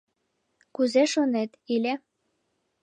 Кузе шонет — иле...